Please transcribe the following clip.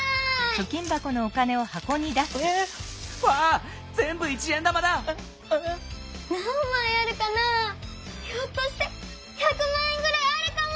ひょっとして１００まん円ぐらいあるかも！